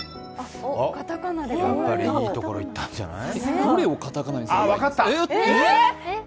やっぱりいいところ、いったんじゃない？